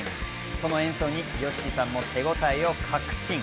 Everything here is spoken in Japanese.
その演奏にＹＯＳＨＩＫＩさんも手応えを確信。